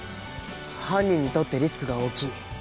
犯人にとってリスクが大きい。